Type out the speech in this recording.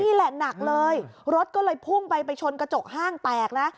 หนักเลยรถก็เลยพุ่งไปไปชนกระจกห้างแตกนะ